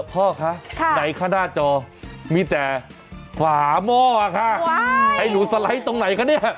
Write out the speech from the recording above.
พ่อคะไหนคะหน้าจอมีแต่ฝาหม้อค่ะไอ้หนูสไลด์ตรงไหนคะเนี่ย